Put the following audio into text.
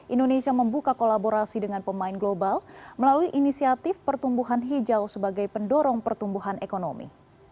indonesia membuka kolaborasi dengan pemain global melalui inisiatif pertumbuhan hijau sebagai pendorong pertumbuhan ekonomi